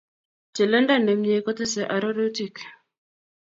Telendo nemie kotesei arorutik